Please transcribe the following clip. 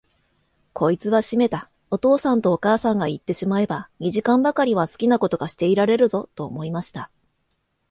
こいつはしめた、お父さんとお母さんがいってしまえば、二時間ばかりは好きなことがしていられるぞ、と思いました。